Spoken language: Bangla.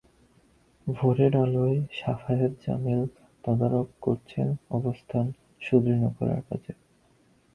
ভোরের আলোয় শাফায়াত জামিল তদারক করছেন অবস্থান সুদৃঢ় করার কাজ।